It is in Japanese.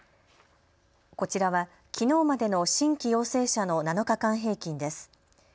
こちらはきのうまでの新規陽性者の７日間平均です。